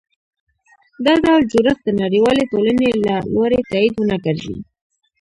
دا ډول جوړښت د نړیوالې ټولنې له لوري تایید ونه ګرځي.